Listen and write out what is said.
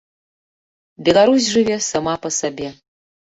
Беларусь жыве сама па сабе.